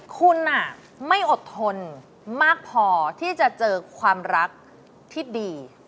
คุณไม่อดทนมากพอที่จะเจอความรักที่ดี